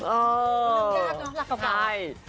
เรื่องยากเนอะหลักภาพ